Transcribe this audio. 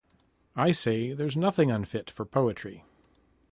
I say there's nothing unfit for poetry.